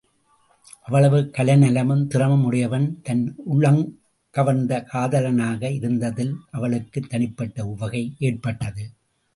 அவ்வளவு கலைநலமும் திறமும் உடையவன் தன் உள்ளங்கவர்ந்த காதலனாக இருந்ததில் அவளுக்குத் தனிப்பட்ட உவகை ஏற்பட்டது.